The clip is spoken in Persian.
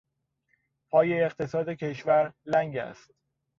پای اقتصاد کشور لنگ است.